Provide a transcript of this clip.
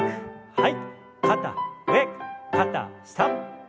はい。